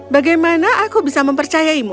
bagaimana aku bisa mempercayaimu